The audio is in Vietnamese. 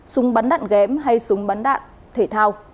súng bắn đạn ghém hay súng bắn đạn thể thao